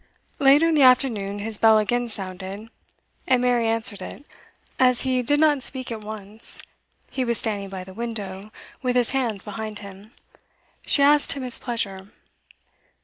Later in the afternoon his bell again sounded, and Mary answered it. As he did not speak at once, he was standing by the window with his hands behind him, she asked him his pleasure.